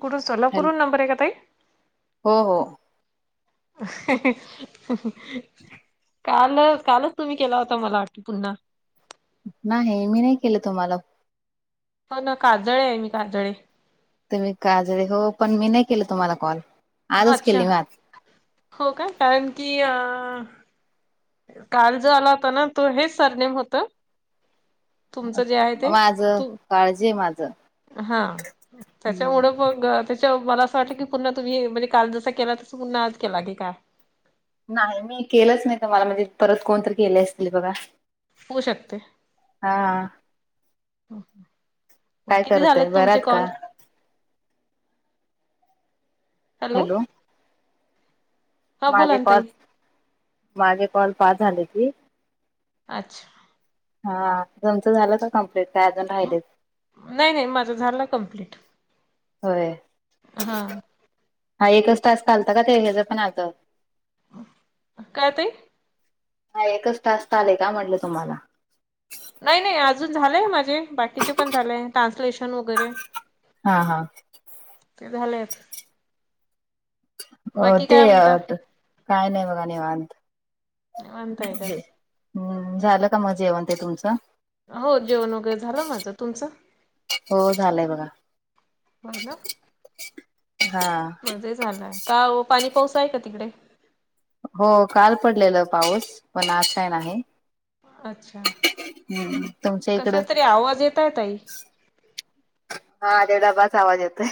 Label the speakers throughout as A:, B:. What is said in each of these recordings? A: कुठून
B: hello
A: सरलाूरण [unintelligible] number आहे का ताई.
B: हो हो.
A: काल कालच तुम्ही केला होता मला आट [unintelligible] पुन्हा
B: नाही, मी नाही केलं तुम्हाला
A: होना काजळे आहे मी काजळे.
B: ते मी काजळे हो पण मी नाही केलं तुम्हाला कॉल. आजच
A: अच्छा!
B: केली मी आज
A: हो का कारण की अ काल जो आला होता ना, तो हेच सरनेम होत?
B: माझं
A: तू
B: काळज आहे माझं.
A: हा त्याच्यामुळ
B: हम्म
A: मग त्याच्या मला असं वाटलं की पुन्हा तुम्ही म्हणजे काल जसा केला तसं पुन्हा आज केला की काय?
B: नाही मी केलंच नाही तुम्हाला म्हणजे परत कोणतरी केले असतील बघा.
A: होऊ शकतय.
B: हा
A: मग
B: काय
A: किती
B: करतय
A: झालेत तुमचे
B: बरात का
A: कॉल?
B: हॅलो.
A: हा बोला
B: माझे
A: ना
B: कॉल
A: ताई
B: माझे कॉल पाच झाले की
A: अच्छा.
B: हा तमचं झालं का कम्प्लीट काय अजून राहिले.
A: नाही नाही माझ झाल कम्प्लीट.
B: होय हा एकच तास घालत का ते हच पण आत
A: काय ते
B: हा एकच तास चाले का म्हटलं तुम्हाला
A: नाही नाही अजून झालंय माझे बाकीचे पण झालेय ट्रान्सलेशन वगैरे
B: हा हा
A: ते झाले [unintelligible]
B: हो
A: बाकी
B: ते
A: काय म्हणता?
B: काय नाही बघा निवांत
A: निवांतय का?
B: हम्म झालं का जेवण ते तुमचं
A: हो जेवण वगैरे झालं माझं तुमचं
B: हो झालंय बघा
A: बला [unintelligible]
B: हा
A: झालंय का ओ पाणी पाऊस आहे का तिकडे
B: हो काल पडलेलं पाऊस पण असाय नाही
A: अच्छा.
B: हम् तुमच्या
A: कशा
B: इकडं
A: तरी आवाज येताय ताई.
B: हा देेवढा [unintelligible] ढबा आवाज येतोय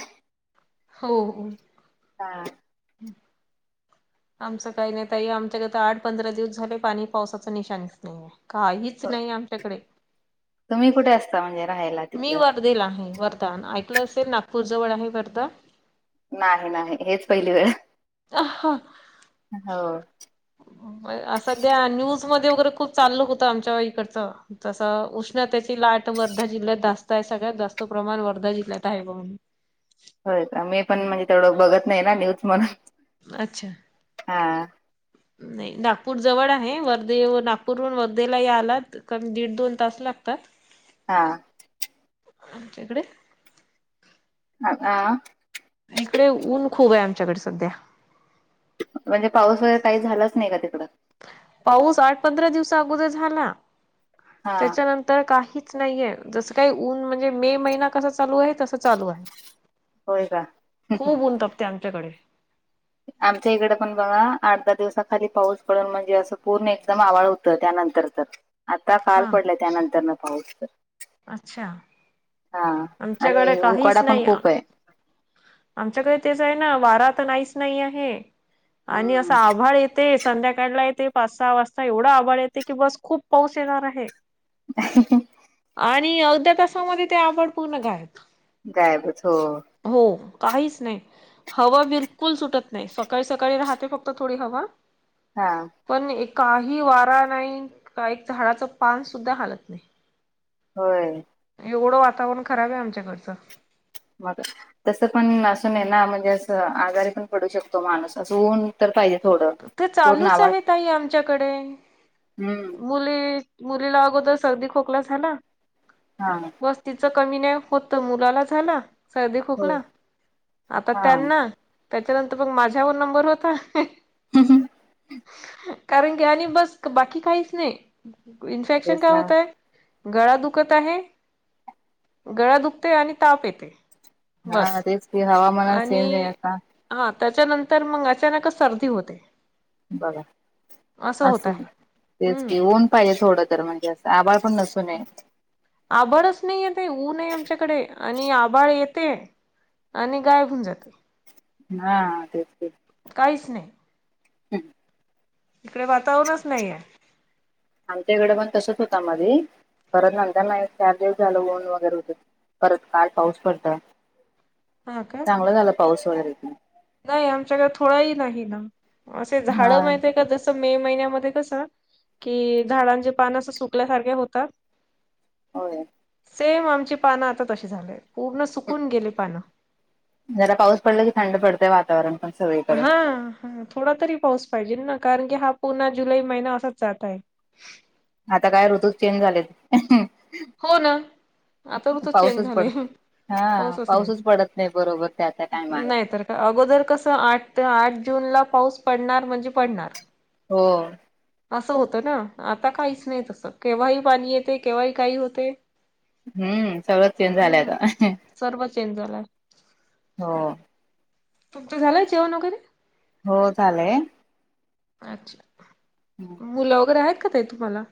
A: हो
B: हा [unintelligible]
A: हम्म [unintelligible] आमचं काही नाही तई आमच्याकता [unintelligible] आठ पंधरा दिवस झाले पाणी पावसाचं निशाच नाहीये काहीच नाही आमच्याकडे
B: तुम्ही कुठे असता म्हणजे राहायला
A: मी
B: तिकलं
A: वर्धेला [unintelligible] आहे वर्धा ऐकलं असेल नागपूर जवळ आहे वर्धा
B: नाही नाही हेच पहिली वेळ
A: अ हा
B: हो
A: असा [unintelligible] द्या न्यूज मध्ये वगैरे खूप चाल होतं आमच्या इकडचं तसं उष्णतेची लाट वर्धा जिल्ह्यात जास्त आहे सगळ्यात जास्त प्रमाण वर्धा जिल्ह्यात आहे पण
B: होय का मी पण म्हणजे तेवढं बघत नाही ना न्यूज म्हणून.
A: अच्छा
B: हा
A: नाही नागपूर जवळ आहे वर्धे. नागपूरून वर्धेला यायला कमी दीड दोन तास लागतात.
B: हा
A: आमच्या इकडे
B: अ ह [unintelligible]
A: इकडे ऊन खूप आहे आमच्याकडे सध्या
B: म्हणजे पाऊस वगैरे काही झालाच नाही का तिकडं
A: पाऊस आठ पंधरा दिवसा अगोदर झाला
B: हा
A: त्याच्यानंतर तर काहीच नाहीये जसं काही ऊन म्हणजे मे महिना कसा चालू आहे तसं चालू आहे
B: होय का?
A: खूप उंनतपते आमच्याकडे
B: आमच्या इकडे पण बघा आठ दहा दिवसाखाली पाऊस पडून म्हणजे असं पूर्ण एकदम आवाळ हो त्यानंतर तर आता काल
A: हा
B: पडलं त्यानंतर न पाऊस तर
A: अच्छा
B: हा
A: आमच्याकडे
B: आणि
A: काहीच
B: उकाडा पण
A: नाही
B: खूप आहे
A: आमच्याकडे तेच आहे ना वारा आता नाहीच नाही आहे आणि
B: हम्म
A: असा आभाळ येत ते संध्याकाळला य ते पाच सहा वाजता एवढा आभळ येते की बस खूप पाऊस येणार आहे
B: ह [unintelligible]
A: आणि अवध्या तासामध्ये ते आवड पूर्ण काय
B: गायबच हो
A: हो काहीच नाही. हवा बिलकुल सुटत नाही. सकाळी, सकाळी राहते फक्त थोडी हवा.
B: हा
A: पण एक काही वारा नाही, का एक झाडाचं पानसुद्धा हालत नाही.
B: होय
A: एवढं वातावरण खराब आहे आमच्याकडचं.
B: मग तसं पण असुन ये ना म्हणजे, असं आजारी पण पडू शकतो माणूस. असं ऊन, तर पाहिजे थोडं.
A: ते
B: पूर्ण
A: चालूच
B: आभाळ
A: आहे ताई आमच्याकडे
B: हम्म
A: मुली मुलीला अगोदर सर्दी खोकला झाला.
B: हा
A: बस तिचं कमी नाही होत तर मुलाला झाला. सर्दी
B: होय
A: खोकला आता
B: हा
A: त्यांना त्याच्यानंतर मग माझ्यावर नंबर होता.
B: हम्म हम्
A: कारण की आणि बस बाकी काहीच नाही इन्फेक्शन
B: तेच
A: काय
B: ना
A: होतय. गळा दुखत आहे. गळा दुखते आणि ताप येते.
B: हा
A: बस
B: तेच की हवा
A: आणि हा त्याच्यानंतर मग अचानक सर्दी होते.
B: बघा,
A: होत
B: असं
A: आहे
B: तेच
A: हम्म
B: की ऊन पाहिजे थोडं तर म्हणजे असं आभळ पण नसत. नये.
A: आभाळच नाही य ते ऊनय आमच्याकडे आणि आभाळ येते. आणि गायब होउन जाते.
B: हा ते ते
A: काहीच नाही.
B: हम्
A: इकडे वातावरणच नाही आहे.
B: आमच्याकडे पण तसच होता मध्ये. परत नंतर नाही चार दिवस झालं ऊन वगैरे होते. परत काल पाऊस पडताय
A: हा का
B: चांगला झाला पाऊस वगैरे.
A: नाही आमच्याकडे थोडंही नाही ना. असे झाड
B: हा.
A: माहिते का जसे, मे महिन्यामध्ये कसं कि झाडांचे पान असं सुकल्यासारखे होतात.
B: होय.
A: सेम आमची पानं आता तशी झालेय पूर्ण सुकून गेली पानं
B: जरा पाऊस पडला की थंड पडतंय वातावरण पण सगळीकडे.
A: हा हा थोडा तरी पाऊस पाहिजे ना कारण की हा पुन्हा जुलै महिना असाच जात आहे.
B: आता काय ऋतू चेंज झालेत.
A: हो ना, आता ऋतूच चेंज
B: पाऊसच
A: झालेय
B: पड हा
A: पाऊसच नाही.
B: पडत नाही बरोबर त्या त्या टायमाला.
A: नाही तर अगोदर कसं आठ ते आठ जून ला पाऊस पडणार म्हणजे पडणार.
B: हो.
A: असं होतं ना. आता काहीच नाही तसं केव्हाही पाणी येते. केव्हाही काही होते.
B: हम्म सगळं चेंज
A: ह
B: झालय
A: ना
B: आता.
A: सर्व चेंज झालाय.
B: हो.
A: तुमचं झालंय जेवण वगैरे.
B: हो झालंय.
A: अच्छा
B: ह
A: मुलं वगैरे आहेत काय ताई तुम्हाला?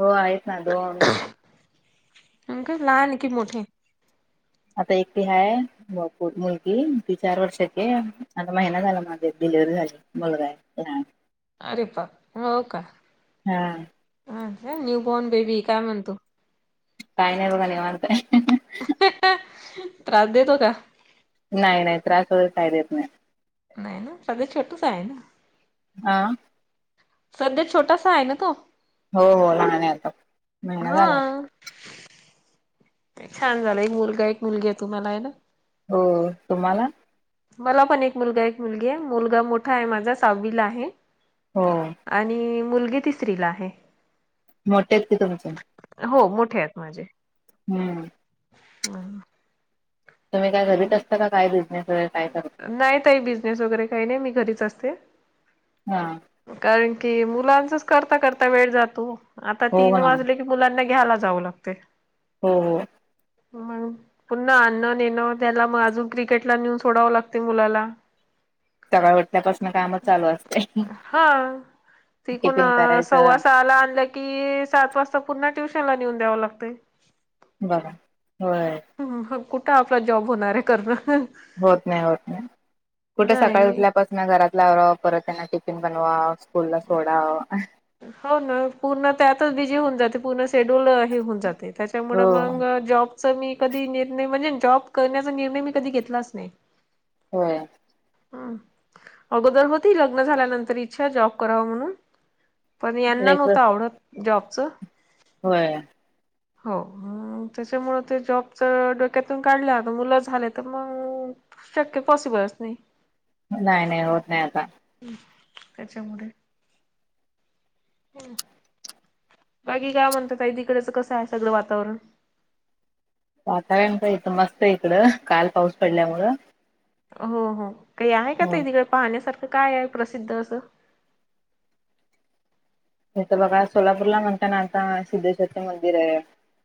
B: हो आहेत ना दोन
A: का लहान आहे की मोठे
B: आता एकटी हाय मुलगी ती चार वर्षाची आता महिना झाला माझे डिलिव्हरी झाली. मुलगा हाय हम्म.
A: अरे प हो का
B: हा
A: ह न्यू बोन बेबी काय म्हणतो.
B: काही नाही बघा निवांत आहे.
A: त्रास देतो का?
B: नाही नाही त्रास वगैरे काही देत नाही
A: नाही ना सगळं छोटच आहे ना
B: हा.
A: सध्या छोटासा आहे ना तो
B: हो हो लहान आहे आता महिना झाला
A: हा. छान झालं एक मुलगा एक मुलगी आहे तुम्हाला आहे ना.
B: हो तुम्हाला?
A: मला पण एक मुलगा एक मुलगी आहे. मुलगा मोठा आहे माझा सहावीला आहे.
B: हो.
A: आणि मुलगी तिसरीला आहे.
B: [unintelligible]
A: हो मोठे आहेत माझे.
B: हम्म.
A: हा.
B: तुम्ही काय घरीच असता काय बिझनेस वगैरे काय कर
A: नाही ताई बिझनेस वगैरे काही नाही मी घरीच असते.
B: हा.
A: कारण की मुलांचच करता करता वेळ जातो आता
B: हो
A: तीन
B: ना
A: वाजले मुलांना घ्यायला जाव लागतंय.
B: हो.
A: म्हणून पुन्हा आणनेणं त्याला मग अजून क्रिकेटला नेऊन सोडावं लागते मुलाला
B: सकाळी उठल्यापासून कामच चालू असत
A: हा तिथून
B: टिफिन करायचं
A: सव्वासाला आणल कि सात वाजता पुन्हा ट्युशन ला नेऊन द्यावं लागतय
B: बर व्हय.
A: कुठं आपला जॉब होणार आहे कारण
B: होत नाही होत नाही कुठे सकाळी
A: नाही
B: उठल्यापासून त्यांना घरातल आवरा परत त्यांना टिफिन बनवा स्कूल ला सोडा
A: हो ना पूर्ण त्यातच बिजी होऊन जाते पूर्ण शेड्यूल हे होऊन जाते त्याच्यामुळं
B: हो
A: मग जॉब च मी कधी निर्णय म्हणजे जॉब करण्याचा निर्णय मी कधी घेतलाच नाही
B: होय.
A: हम्म अगोदर होती लग्न झाल्यानंतर इच्छा जॉब कराव म्हणून पण यांना
B: लेकर
A: नव्हतं आवडत जॉबचं
B: होय.
A: हो त्याच्यामुळ ते जॉबच डोक्यातून काढल अन मुलं झाले तर मंग शक्य पॉसिबलच नाही.
B: नाही नाही होत नाही आता.
A: त्याच्यामुळे. हम्म. बाकी काय म्हणता ताई तिकडे कसं आहे सगळं वातावरण?
B: वातावरण तर इथं मस्त इकडं काल पाऊस पडल्यामुळं.
A: हो हो काही आहे का
B: हो
A: ते तिकडे पाहण्यासारखं काय आहे प्रसिद्ध असं?
B: हे तर बघा सोलापूरला म्हणता ना आता सिद्धेश्वरं मंदिर आहे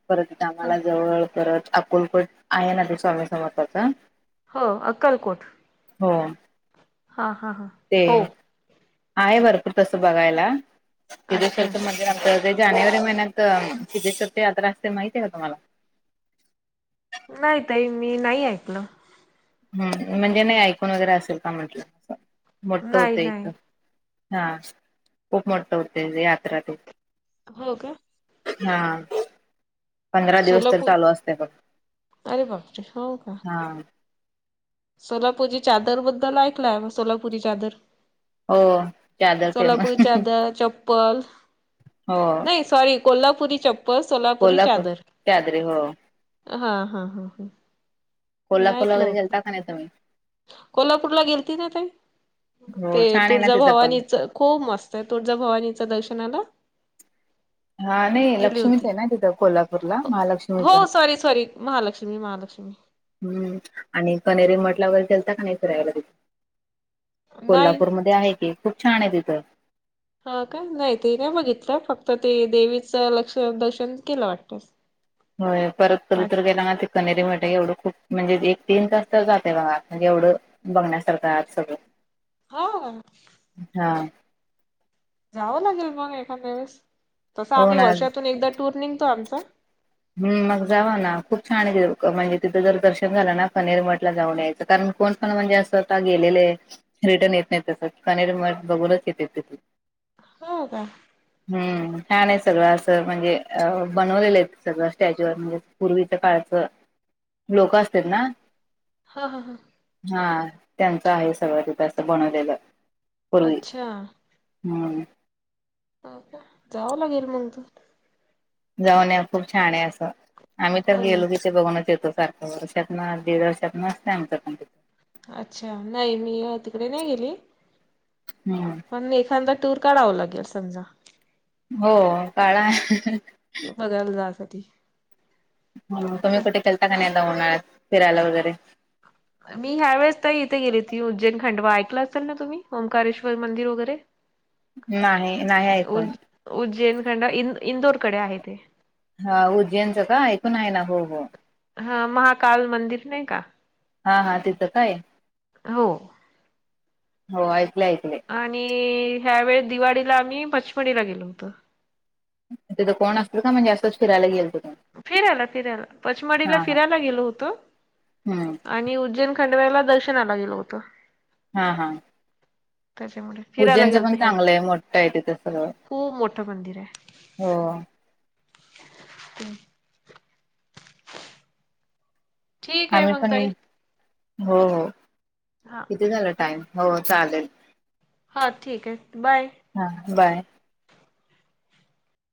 B: परत
A: हा
B: आम्हाला जवळ परत अक्कलकोट आहे ना ते स्वामी समर्थाच
A: हो अक्कलकोट हा हा.
B: ते
A: हो
B: आहे भरपूर तस बघायला
A: अच्छा
B: त्यांच्यासारखं मंदिर आपल जानेवारी महिन्यात सिद्धेश्वर यात्रा असते माहती आहे का तुम्हाला?
A: नाही तई मी नाही ऐकलं.
B: हम् म्हणजे नाही ऐकून वगैरे असेल का म्हंटलं मोठत
A: नाही
B: होतं इथ.
A: नाही
B: हा खूप मोठ होते यात्रा ती.
A: हो का
B: हा. पंधरा दिवस तर
A: सोलापूर
B: चालू असते बघ
A: अरे बापरे
B: हा.
A: सोलापूरी चादर बद्दल ऐकलाय सोलापूरी चादर.
B: हो चादर फेमस
A: सोलापूरी चादर चप्पल
B: हो
A: नाही सॉरी. कोल्हापुरी चप्पल सोलापुरी
B: कोल्हापूर
A: चादर
B: चादरी हो
A: हा हा हा. हे
B: कोल्हापूर
A: ऐकलं होत
B: वगैरेता का नाही तु्ही.
A: कोल्हापूरला गेलती ना ते ते
B: हो छान आहे ना तिथं पण
A: तुळझाभवानीच खूप मस्त तुळझा भवानीच दर्शनाला?
B: हा नाही
A: गेली
B: लक्ष्मीच
A: होती
B: आहे ना तिथं कोल्हापूरला महालक्ष्मीच.
A: हो सॉरी सॉरी महालक्ष्मी महालक्ष्मी
B: हम्म आणि कनेरी म्हटला वगैरे चलता का नाही फिरायला.
A: नाही
B: कोल्हापूरमध्ये आहे कि खूप छान आहे तिथं.
A: हा का नाही ते नाही बघितलं फक्त ते देवीचं लक्ष दर्शन केलं वाटतस.
B: होय परत कत्र गेला ना. कनेरी म्हट एवढं खूप म्हणजे एक तीन तास तर जाते बघा म्हणजे एवढं. बघण्यासारखं आज सगळं.
A: हा.
B: हा.
A: जावं लागेल मग एखाद्या वेळेस तसं
B: हो
A: आम्ही
B: ना
A: वर्षातून एकदा टूर निघतो आमचा.
B: हम् मग जाव ना खूप छान आहे म्हणजे तिथं जर दर्शन झालं ना फनेरमठ ला जाऊन. कारण कोण कोण म्हणजे असं आता गेलेलं आहे. रिटर्न येत नाही तसं म बघूनच येते तिथ.
A: हो का.
B: हम्म छान सगळं असं म्हणजे अ बनवलेलं आहेत. सगळं स्टॅज्यूवर म्हणजे पूर्वीच काळचं. लोक असत ना.
A: हा हा हा
B: हा त्यांचं आहे सगळं जास्त बनवलेलं. पूर्वी
A: अच्छा
B: हम्म
A: का जावं लागेल मग तू.
B: जाऊन खूप छान आहे असं आम्ही तर
A: हो ना
B: गेलो. े बघूनच येतो सारख्या वर्षात ना दीड वर्षात नसते आमचं.
A: अच्छा नाही मी तिकडे नाही गेली
B: हम्म.
A: पण एखादा टूर काढावं लागेल समजा.
B: हो काळा.
A: बघायला जासाठी.
B: हा तुम्ही कुठे केलता का नाही उन्हाळ्यात फिरायला वगैरे.
A: मी ह्या वेळेस त इथे गेली ती उज्जैन खंडवा ऐकलं असेल ना तुम्ही ओकारेश्वर मंदिर वगैरे. [inaudible]
B: नाही नाही ऐकून.
A: उज् उज्जैन खंडवा इंदोरकडे आहे ते.
B: हा उज्जैनचं का ऐकून आहे ना हो हो
A: हा महाकाल मंदिर नाही का.
B: हा हा तिथं काय
A: हो
B: हो ऐकले ऐकले.
A: आणि ह्यावेेळी दिवाळीला आम्ही पचमणीला गेलो होतो.
B: तिथं कोण असतो का म्हणजे असंच फिरायला गेल त
A: फिरायला फिरायला पंचमढला फिरायला गेलो होतो.
B: हम्म
A: आणि उज्जैन खंडव्याला दर्शनाला गेलं होतं.
B: हा हा
A: त्याच्यामुळे फिरायला
B: उजनच पण
A: गेलतो ह्या
B: चांगलं आहे मोठ आहे तिथं स
A: खूप मोठं मंदिर
B: हो
A: हम् ठीक आहे
B: आम्ही
A: मग
B: पण
A: ताई
B: हो हो
A: हा
B: किती झालं टाइम हो चालेल
A: हां ठीक आहे बाय
B: हा बाय